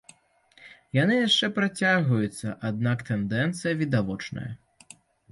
Яны яшчэ працягваюцца, аднак тэндэнцыя відавочная.